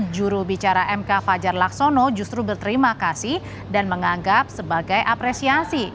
juru bicara mk fajar laksono justru berterima kasih dan menganggap sebagai apresiasi